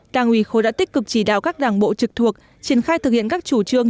đảng ủy khối đã tích cực chỉ đạo các đảng bộ trực thuộc triển khai thực hiện các chủ trương